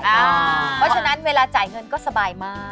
เพราะฉะนั้นเวลาจ่ายเงินก็สบายมาก